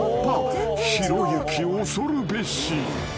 ［ひろゆき恐るべし］